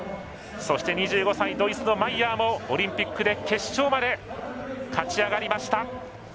そして２５歳ドイツのマイヤーもオリンピックで決勝まで勝ち上がりました。